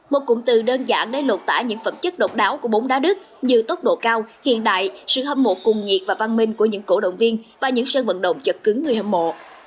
một cụm từ đơn giản để lột tả những phẩm chất độc đáo của bóng đá đức như tốc độ cao hiện đại sự hâm mộ cùng nhiệt và văn minh của những cổ động viên và những sân vận động chật cứng người hâm mộ